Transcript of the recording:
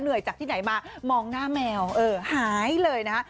เหนื่อยจากที่ไหนมามองหน้าแมวหายเลยนะ